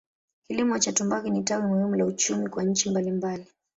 Kilimo cha tumbaku ni tawi muhimu la uchumi kwa nchi mbalimbali.